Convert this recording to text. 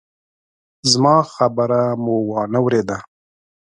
زما خبره مو وانه ورېده!